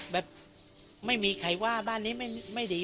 แบบไม่มีใครว่าบ้านนี้ไม่ดี